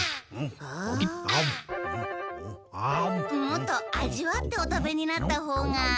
もっと味わってお食べになったほうが。